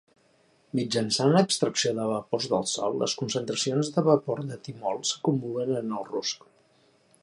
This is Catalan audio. Mitjançant l'extracció de vapors del sol, les concentracions de vapor de timol s'acumulen en el rusc.